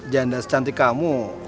janda secantik kamu